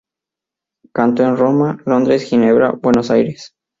Cantó en Roma, Londres, Ginebra, Buenos Aires.